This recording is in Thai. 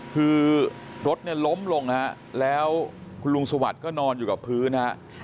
คือรถล้มลงแล้วคุณลุงสวัสดิ์ก็นอนอยู่กับพื้น